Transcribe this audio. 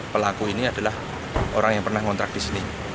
pelaku ini adalah orang yang pernah ngontrak di sini